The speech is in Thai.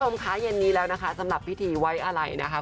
คุณผู้ชมคะเย็นนี้แล้วนะคะสำหรับพิธีไว้อะไรนะคะ